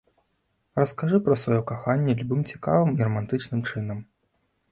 Раскажы пра сваё каханне любым цікавым і рамантычным чынам.